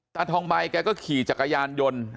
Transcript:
ตาทองใบแกก็ขี่จักรยานยนต์